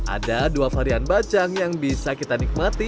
ada dua varian bacang yang bisa kita nikmati